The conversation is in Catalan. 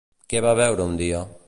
Què va veure un dia?